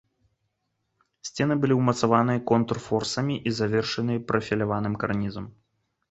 Сцены былі ўмацаваныя контрфорсамі і завершаныя прафіляваным карнізам.